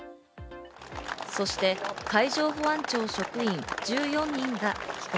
そして、海上保安庁の職員１４人が帰国。